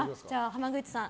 濱口さん。